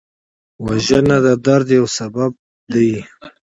وژنه د درد یو لامل دی